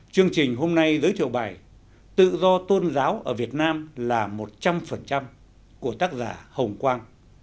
chương trình hôm nay giới thiệu bài tự do tôn giáo ở việt nam là một trăm linh của tác giả hồng quang